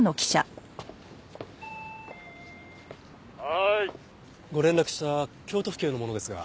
「はい」ご連絡した京都府警の者ですが。